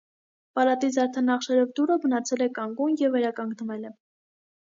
Պալատի զարդանախշերով դուռը մնացել է կանգուն և վերականգնվել է։